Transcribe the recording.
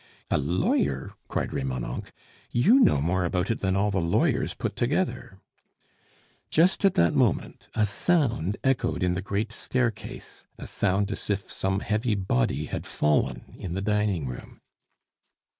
"A lawyer?" cried Remonencq; "you know more about it than all the lawyers put together " Just at that moment a sound echoed in the great staircase, a sound as if some heavy body had fallen in the dining room.